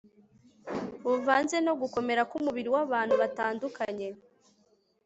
buvanze no gukomera kumubiri wabantu batandukanye